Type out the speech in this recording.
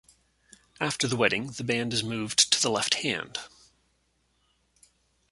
After the wedding, the band is moved to the left hand.